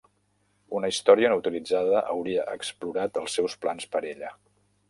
Una història no utilitzada hauria explorat els seus plans per ella.